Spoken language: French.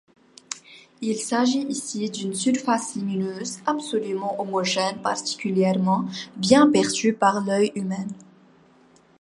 Il s'agit ici d'une surface lumineuse absolument homogène particulièrement bien perçue par l'œil humain.